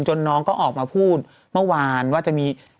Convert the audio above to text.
น้องก็ออกมาพูดเมื่อวานว่าจะมี